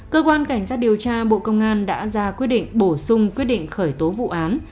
cơ quan cảnh sát điều tra bộ công an đã ra quyết định bổ sung quyết định khởi tố vụ án